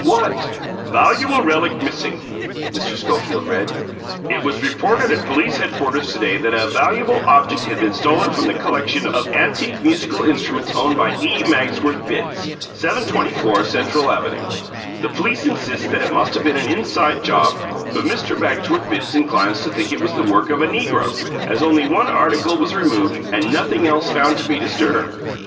"What?" "Valuable relic missing," Mr. Schofield read. "It was reported at police headquarters to day that a 'valuable object had been stolen from the collection of antique musical instruments owned by E. Magsworth Bitts, 724 Central Avenue. The police insist that it must have been an inside job, but Mr. Magsworth Bitts inclines to think it was the work of a negro, as only one article was removed and nothing else found to be disturbed.